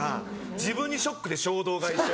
自分にショックで衝動買いして。